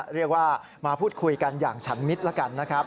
เรียกว่ามาพูดคุยกันอย่างฉันมิดแล้วกันนะครับ